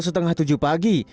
setengah tujuh pagi